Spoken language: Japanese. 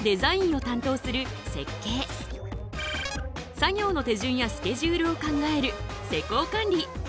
作業の手順やスケジュールを考える施工管理。